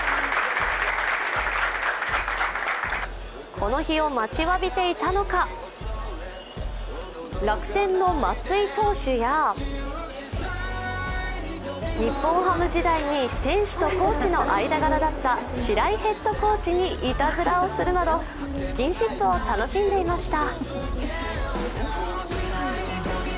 この日を待ちわびていたのか、楽天の松井投手や日本ハム時代に選手とコーチの間柄だった白井ヘッドコーチにいたずらをするなど、スキンシップを楽しんでいました。